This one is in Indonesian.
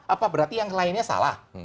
apa berarti yang lainnya salah